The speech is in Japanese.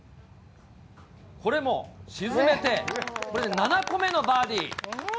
これも沈めて、これで７個目のバーディー。